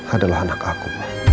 adalah anak aku